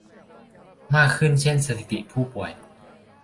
มากขึ้นเช่นสถิติผู้ป่วย